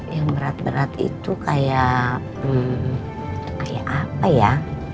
yang berat berat itu kayak hmm kayak apa ya